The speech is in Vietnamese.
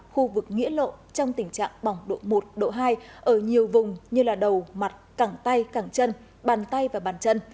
khu vực nghĩa lộ trong tình trạng bỏng độ một độ hai ở nhiều vùng như là đầu mặt cẳng tay cẳng chân bàn tay và bàn chân